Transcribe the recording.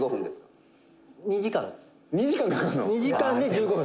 横尾：「２時間で１５分」